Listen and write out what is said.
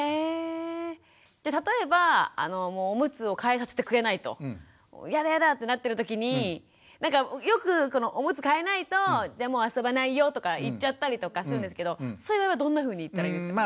じゃあ例えばおむつを替えさせてくれないとやだやだってなってる時になんかよくおむつ替えないとじゃもう遊ばないよとか言っちゃったりとかするんですけどそういう場合はどんなふうに言ったらいいんですか？